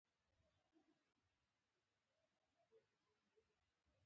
له خطر سره مخامخ وي.